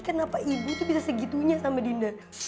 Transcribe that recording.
kenapa ibu tuh bisa segitunya sama dinda